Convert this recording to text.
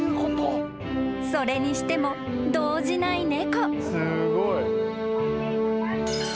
［それにしても動じない猫］